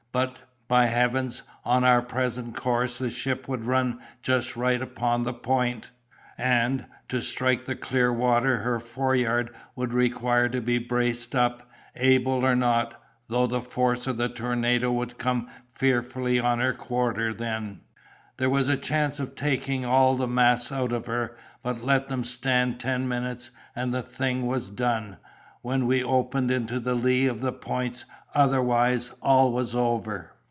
But, by Heavens! on our present course the ship would run just right upon the point—and, to strike the clear water, her foreyard would require to be braced up, able or not, though the force of the tornado would come fearfully on her quarter, then. There was the chance of taking all the masts out of her; but let them stand ten minutes, and the thing was done, when we opened into the lee of the points—otherwise all was over.